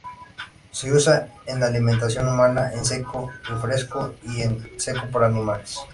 Se usa en alimentación humana en seco y fresco y en seco para animales.